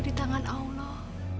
di tangan allah